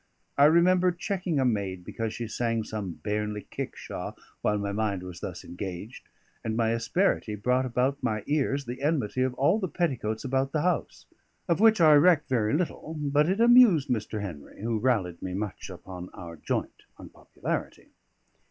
I remember checking a maid because she sang some bairnly kickshaw while my mind was thus engaged; and my asperity brought about my ears the enmity of all the petticoats about the house; of which I recked very little, but it amused Mr. Henry, who rallied me much upon our joint unpopularity.